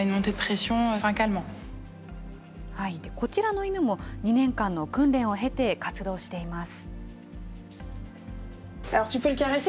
こちらの犬も２年間の訓練を経て、活動しています。